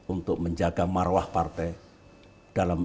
untuk menjaga marwah partai